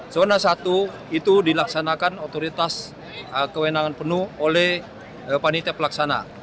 zona satu itu dilaksanakan otoritas kewenangan penuh oleh panitia pelaksana